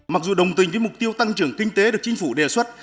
mặc dù đồng tình với mục tiêu tăng trưởng kinh tế được chính phủ đề xuất